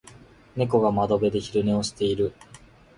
猫が窓辺で昼寝をしている。